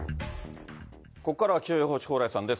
ここからは気象予報士、蓬莱さんです。